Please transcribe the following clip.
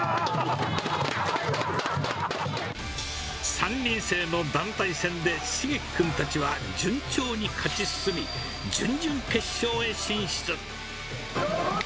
３人制の団体戦でしげき君たちは順調に勝ち進み、準々決勝へ進出。